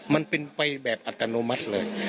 มันเป็นไปแบบอัตโนมัติเลย